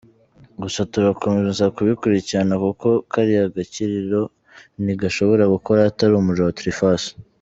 Gusa turakomeza kubikurikirana, kuko kariya gakiriro ntigashobora gukora hatari umuriro wa triphase.